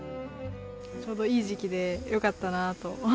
ちょうどいい時期でよかったなと。